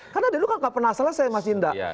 karena dulu kan nggak pernah selesai mas indah